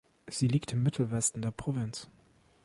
Sie liegt im Mittelwesten der Provinz.